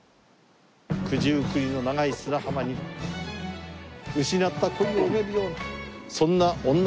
九十九里の長い砂浜に失った恋を埋めるようなそんな女。